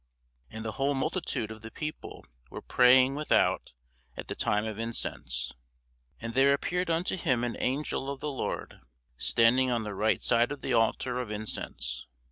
And the whole multitude of the people were praying without at the time of incense. And there appeared unto him an angel of the Lord standing on the right side of the altar of incense.